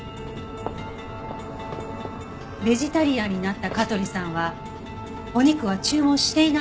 ベジタリアンになった香取さんはお肉は注文していないはずです。